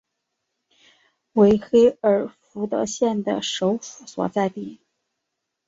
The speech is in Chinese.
为黑尔福德县的首府所在地。